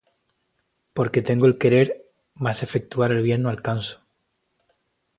porque tengo el querer, mas efectuar el bien no lo alcanzo.